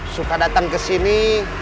suka datang ke sini